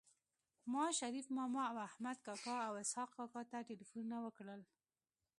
ما شريف ماما احمد کاکا او اسحق کاکا ته ټيليفونونه وکړل